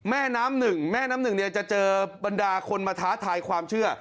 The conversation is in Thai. แม่น้ำหนึ่งแม่น้ำหนึ่งเนี่ยจะเจอบรรดาคนมาท้าทายความเชื่อ